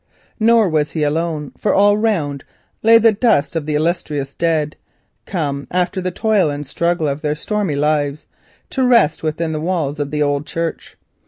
Nor was he alone, for all around lay the dust of his kindred, come after the toil and struggle of their stormy lives to rest within the walls of that old church.